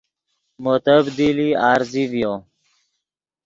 مو تبدیلی عارضی ڤیو